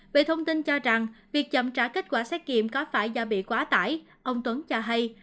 về thông tin cho rằng việc chậm trả kết quả xét nghiệm có phải do bị quá tải ông tuấn cho hay